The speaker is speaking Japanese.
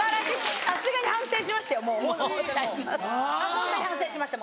ホントに反省しました